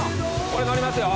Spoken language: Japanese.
これ乗りますよ。